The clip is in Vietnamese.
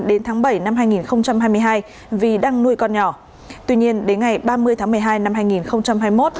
đến tháng bảy năm hai nghìn hai mươi hai vì đang nuôi con nhỏ tuy nhiên đến ngày ba mươi tháng một mươi hai năm hai nghìn hai mươi một